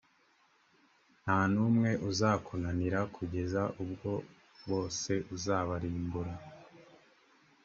nta n’umwe uzakunanira kugeza ubwo bose uzabarimbura.